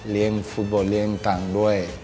เล่นฟุตบอลเล่นตังค์ด้วย